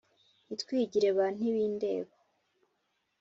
ntitwigire ba ntibindeba